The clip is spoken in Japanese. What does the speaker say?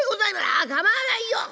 「あ構わないよ」。